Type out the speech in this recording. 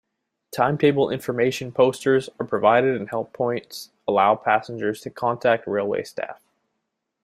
Timetable information posters are provided and help points allow passengers to contact railway staff.